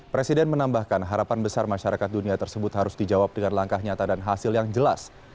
presiden menambahkan harapan besar masyarakat dunia tersebut harus dijawab dengan langkah nyata dan hasil yang jelas